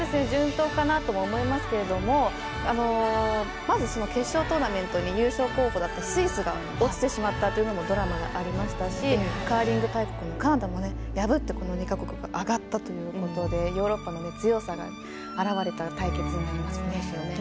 順当かなとは思いますけどまず、決勝トーナメントに優勝候補だったスイスが落ちてしまったというドラマがありましたしカーリング大国のカナダを破って、この２か国が上がったということでヨーロッパの強さが表れた対決になりましたね。